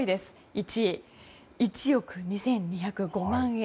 １位、１億２２０５万円。